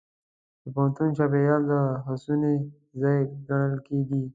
د پوهنتون چاپېریال د هڅونې ځای ګڼل کېږي.